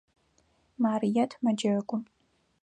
Марыет мэджэгу.